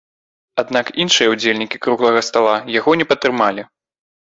Аднак іншыя ўдзельнікі круглага стала яго не падтрымалі.